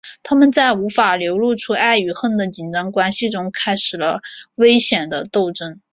他们在无法流露出爱与恨的紧张关系中开始危险的争斗。